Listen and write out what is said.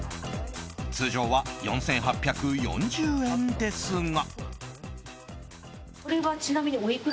通常は４８４０円ですが。